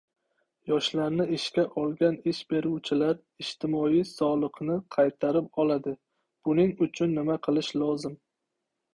Yoshlarni ishga olgan ish beruvchilar ijtimoiy soliqni qaytarib oladi: buning uchun nima qilish lozim?